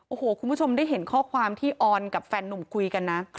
โอ้โหคุณผู้ชมได้เห็นข้อความที่ออนกับแฟนหนุ่มคุยกันนะ